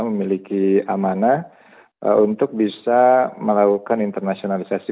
memiliki amanah untuk bisa melakukan internasionalisasi